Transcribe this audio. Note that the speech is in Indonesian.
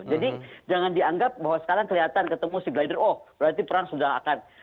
jadi jangan dianggap bahwa sekarang kelihatan ketemu sea glider oh berarti perang sudah akan